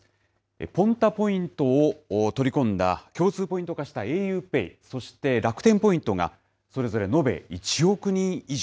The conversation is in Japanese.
Ｐｏｎｔａポイントを取り込んだ共通ポイント化したａｕＰＡＹ、そして楽天ポイントが、それぞれ延べ１億人以上。